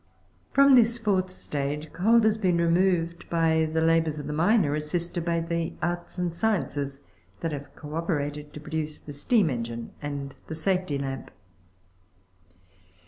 From this fourth stage, coal has been removed by the labours of the mirier, assisted by the arts and sciences, that have co operated to pro duce the steam engine and the safety lamp.